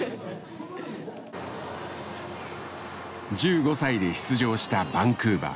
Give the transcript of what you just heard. １５歳で出場したバンクーバー。